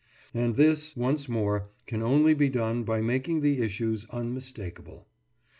And this, once more, can only be done by making the issues unmistakable.